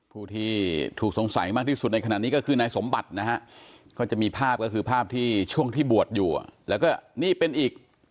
ผู้ที่ถูกสงสัยมากที่สุดในขณะนี้ก็คือนายสมบัตินะฮะก็จะมีภาพก็คือภาพที่ช่วงที่บวชอยู่แล้วก็นี่เป็นอีก